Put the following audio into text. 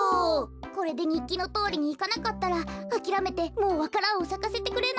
これでにっきのとおりにいかなかったらあきらめてもうわか蘭をさかせてくれないんじゃない？